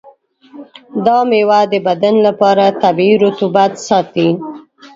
دا میوه د بدن لپاره طبیعي رطوبت ساتي.